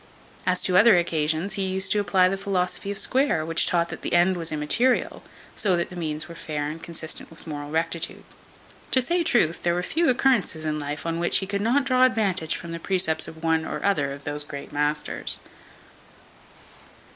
As to other occasions, he used to apply the philosophy of Square, which taught, that the end was immaterial, so that the means were fair and consistent with moral rectitude. To say truth, there were few occurrences in life on which he could not draw advantage from the precepts of one or other of those great masters.